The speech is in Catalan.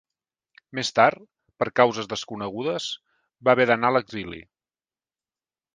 Més tard, per causes desconegudes, va haver d'anar a l'exili.